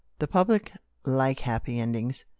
The public like happy endings.